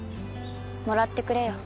もらってくれよ。